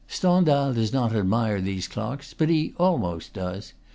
Stendhal does not admire these clocks, but he almost does.